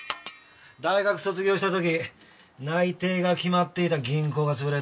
大学卒業した時内定が決まっていた銀行が潰れて。